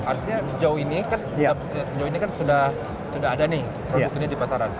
artinya sejauh ini kan sudah ada nih produknya di pasaran